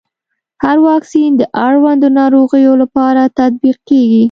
هر واکسین د اړوندو ناروغيو لپاره تطبیق کېږي.